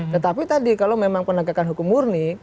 tetapi tadi kalau memang penegakan hukum murni